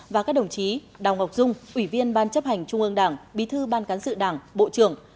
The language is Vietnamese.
và các đồng chí đào ngọc dung ủy viên ban chấp hành trung ương đảng bí thư ban cán sự đảng bộ trưởng